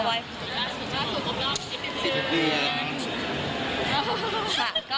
ไม่ได้ห่อยค่ะ